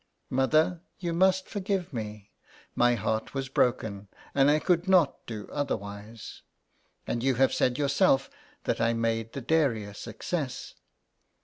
" Mother, you must forgive me. My heart was broken, and I could not do otherwise. And you have said yourself that I made the dairy a success."